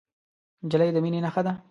نجلۍ د مینې نښه ده.